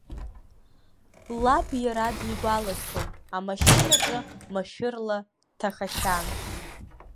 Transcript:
Лаб иара дигәалашәом, амашьынаҿы машәырла дҭахахьан.